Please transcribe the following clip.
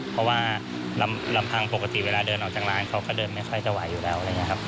เพราะว่ารำพังปกติเวลาเดินออกจากร้านเขาก็เดินไม่ค่อยจะไหวอยู่แล้ว